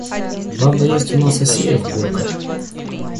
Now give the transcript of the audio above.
Правда, есть у нас Асеев Колька.